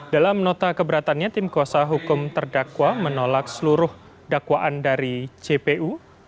dalam nota keberatannya tim kuasa hukum terdakwa menolak seluruh dakwaan dari jpu